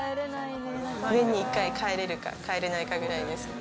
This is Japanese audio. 年に１回、帰れるか帰れないかぐらいですね。